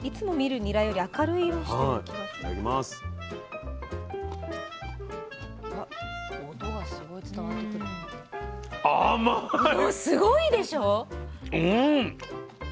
もうすごいでしょ？